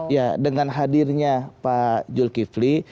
ya dengan hadirnya pak zulkifli